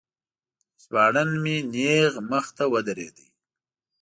ژباړن مې نیغ مخې ته ودرید.